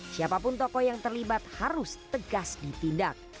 siapapun tokoh yang terlibat harus tegas ditindak